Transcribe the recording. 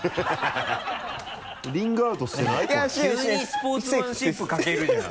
急にスポーツマンシップ欠けるじゃん。